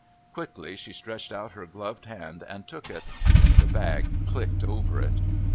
Quickly she stretched out her gloved hand and took it. The bag clicked over it.